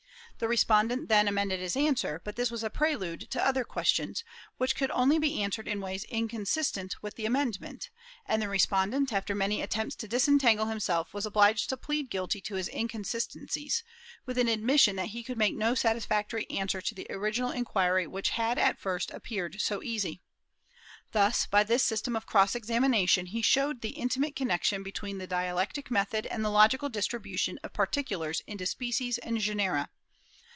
The respondent then amended his answer; but this was a prelude to other questions, which could only be answered in ways inconsistent with the amendment; and the respondent, after many attempts to disentangle himself, was obliged to plead guilty to his inconsistencies, with an admission that he could make no satisfactory answer to the original inquiry which had at first appeared so easy." Thus, by this system of cross examination, he showed the intimate connection between the dialectic method and the logical distribution of particulars into species and genera.